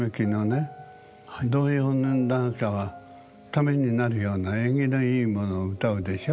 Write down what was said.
童謡なんかはためになるような縁起のいいものを歌うでしょ？